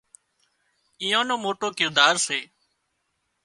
ايئان نو موٽو ڪردار سي